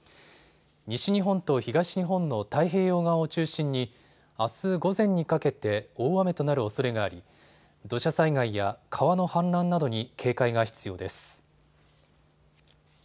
西日本と東日本の太平洋側を中心にあす午前にかけて大雨となるおそれがあり土砂災害や川の氾濫などに警戒が必要です。